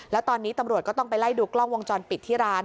แล้วตอนนี้ตำรวจก็ต้องไปไล่ดูกล้องวงจรปิดที่ร้าน